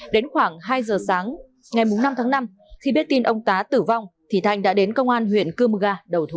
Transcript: đến khoảng hai giờ sáng ngày bốn năm tháng năm khi biết tin ông tá tử vong thì thanh đã đến công an huyện cươm ga đầu thú